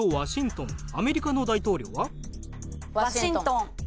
ワシントン。